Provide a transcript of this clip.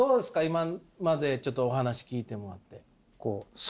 今までちょっとお話聞いてもらって。